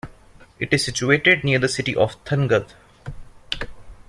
It is situated near the city of Thangadh.